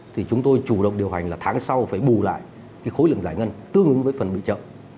thì chúng tôi chủ động điều hành là tháng sau phải bù lại khối lượng giải ngân tương ứng với phần bị chậm